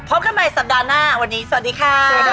พบกันใหม่สัปดาห์หน้าวันนี้สวัสดีค่ะ